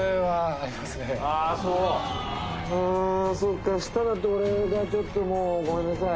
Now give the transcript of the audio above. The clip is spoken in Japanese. あぁそっか明日だと俺がちょっともうごめんなさい。